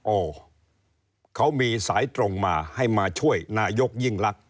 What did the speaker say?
อ๋อเขามีสายตรงมาให้มาช่วยนายกยิ่งลักษ